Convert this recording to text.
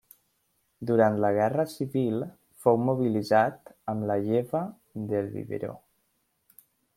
Durant la Guerra Civil fou mobilitzat amb la Lleva del Biberó.